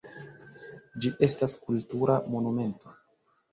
Ĝi estas kultura monumento.